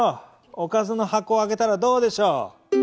おかずの箱を開けたらどうでしょう。